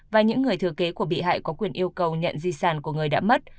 và những người thừa kế của bị hại có quyền yêu cầu nhận di sản của người đã mất